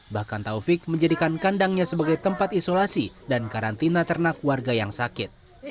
bahkan taufik menjadikan kandangnya sebagai tempat isolasi dan karantina ternak warga yang sakit